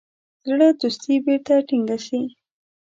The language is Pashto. زړه دوستي بیرته ټینګه سي.